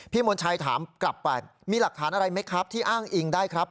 มณชัยถามกลับไปมีหลักฐานอะไรไหมครับที่อ้างอิงได้ครับ